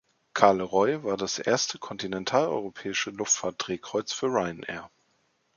Charleroi war das erste kontinentaleuropäische Luftfahrt-Drehkreuz für Ryanair.